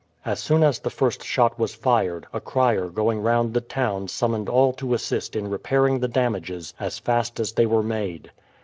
As soon as the first shot was fired, a crier going round the town summoned all to assist in repairing the damages as fast as they were made.